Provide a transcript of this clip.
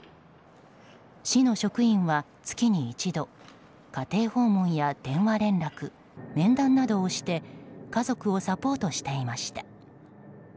市の職員は月に一度家庭訪問や電話連絡面談などをして家族をサポートしていました。